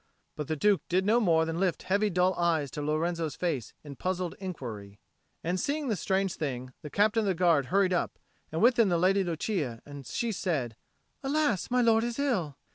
But the Duke did no more than lift heavy dull eyes to Lorenzo's face in puzzled inquiry. And, seeing the strange thing, the Captain of the Guard hurried up, and with him the Lady Lucia, and she said, "Alas, my lord is ill!"